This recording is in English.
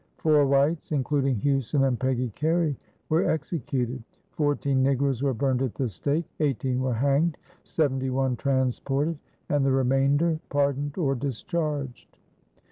Four whites, including Hughson and Peggy Carey, were executed; fourteen negroes were burned at the stake; eighteen were hanged, seventy one transported, and the remainder pardoned or discharged.